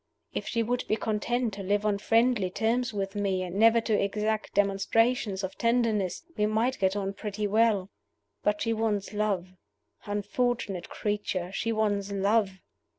If she would be content to live on friendly terms with me, and never to exact demonstrations of tenderness, we might get on pretty well. But she wants love. Unfortunate creature, she wants love!